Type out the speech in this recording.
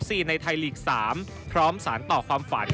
ชัยที่การให้ชัย